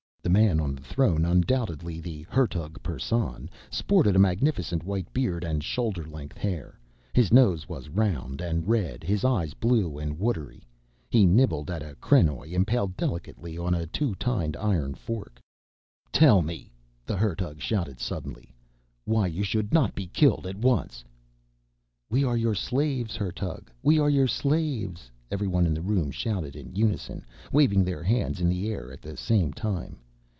The man on the throne, undoubtedly the Hertug Persson, sported a magnificent white beard and shoulder length hair, his nose was round and red, his eyes blue and watery. He nibbled at a krenoj impaled delicately on a two tined iron fork. "Tell me," the Hertug shouted suddenly, "why you should not be killed at once?" "We are your slaves, Hertug, we are your slaves," everyone in the room shouted in unison, waving their hands in the air at the same time.